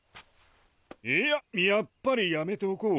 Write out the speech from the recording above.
いややっぱりやめておこう。